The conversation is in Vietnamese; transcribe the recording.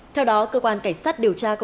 theo đó cơ quan cảnh sát điều tra công an